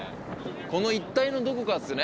この一帯のどこかっすね。